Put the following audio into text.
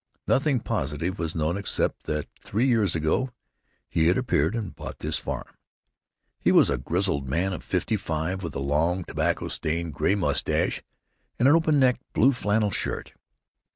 Nothing positive was known except that three years ago he had appeared and bought this farm. He was a grizzled man of fifty five, with a long, tobacco stained, gray mustache and an open necked blue flannel shirt.